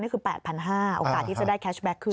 นี่คือ๘๕๐๐บาทโอกาสที่จะได้แคชแบ็คคืน